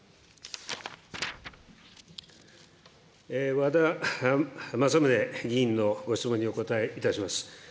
和田政宗議員のご質問にお答えいたします。